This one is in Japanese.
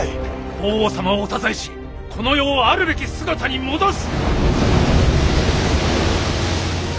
法皇様をお支えしこの世をあるべき姿に戻す！